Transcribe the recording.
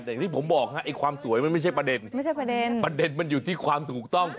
แต่ที่ผมบอกครับความสวยไม่ใช่ประเด็น